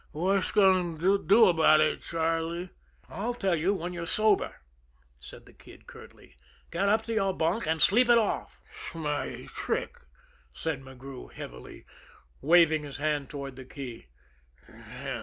Whash goin' to do 'bout it, Charlie?" "I'll tell you when you're sober," said the Kid curtly. "Get up to your bunk and sleep it off." "S'my trick," said McGrew heavily, waving his hand toward the key.